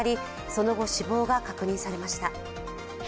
その後、死亡が確認されました。